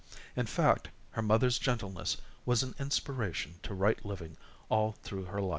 In fact, her mother's gentleness was an inspiration to right living all through her life.